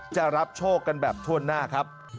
จะรับโชคกันแบบถ้วนหน้าครับ